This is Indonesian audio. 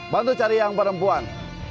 bantu cari yang perempuan